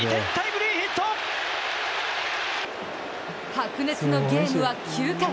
白熱のゲームは９回。